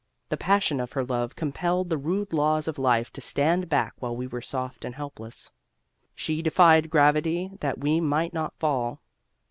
The passion of her love compelled the rude laws of life to stand back while we were soft and helpless. She defied gravity that we might not fall.